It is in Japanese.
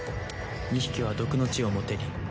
２匹は毒の血を持てり。